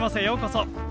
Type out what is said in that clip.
ようこそ。